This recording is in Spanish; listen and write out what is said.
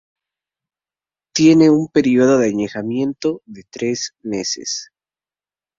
Tiene un periodo de añejamiento de tres meses.